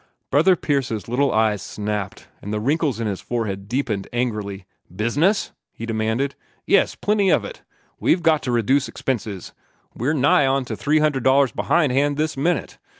Brother Pierce's little eyes snapped, and the wrinkles in his forehead deepened angrily. "Business?" he demanded. "Yes, plenty of it. We've got to reduce expenses. We're nigh onto $300 behind hand this minute.